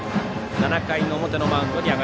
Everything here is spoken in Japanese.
７回表のマウンド